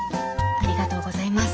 ありがとうございます。